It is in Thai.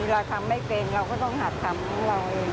เราทำไม่เป็นเราก็ต้องหาทำของเราเอง